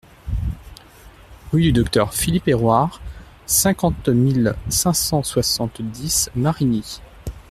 Rue du Docteur Philippe Hérouard, cinquante mille cinq cent soixante-dix Marigny